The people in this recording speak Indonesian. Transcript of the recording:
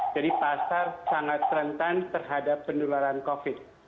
jadi pasar sangat rentan terhadap penularan covid sembilan belas